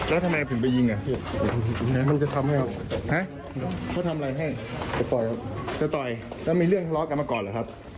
แล้วมีเรื่องล้อกันมาก่อนเหรอครับ